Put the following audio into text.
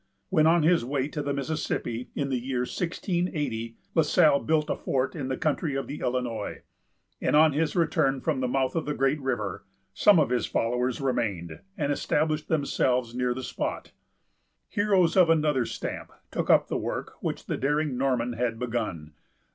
When on his way to the Mississippi, in the year 1680, La Salle built a fort in the country of the Illinois; and, on his return from the mouth of the great river, some of his followers remained, and established themselves near the spot. Heroes of another stamp took up the work which the daring Norman had begun.